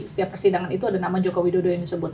setiap persidangan itu ada nama joko widodo yang disebut